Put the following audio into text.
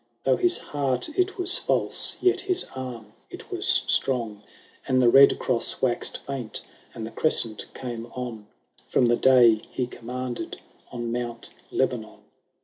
Though his heart it was false, yet his arm it was strong ; And the Red cross waxed faint, and the Crescent came on, From the day he commanded on Mount Lebanon.